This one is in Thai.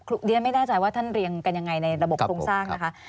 เรียนไม่แน่ใจว่าท่านเรียงกันยังไงในระบบโครงสร้างนะคะ